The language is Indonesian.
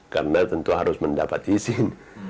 karena tentu harus mendapatkan izin